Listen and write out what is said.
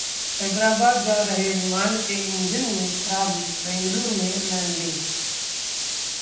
हैदराबाद जा रहे विमान के इंजन में खराबी, बेंगलुरु में लैंडिंग